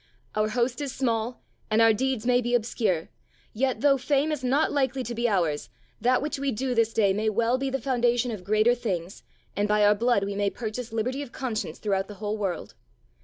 "Our host is small and our deeds may be obscure; yet though fame is not likely to be ours, that which we do this day may well be the foundation of greater things and by our blood we may purchase liberty of conscience throughout the whole world.